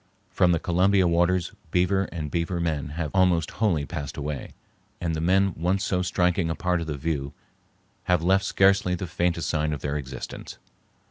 From the Columbia waters beaver and beaver men have almost wholly passed away, and the men once so striking a part of the view have left scarcely the faintest sign of their existence.